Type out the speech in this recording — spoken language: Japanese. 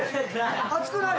熱くない？